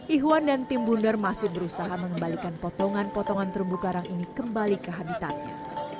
ihwan dan tim bundar masih berusaha mengembalikan potongan potongan terumbu karang ini kembali ke habitatnya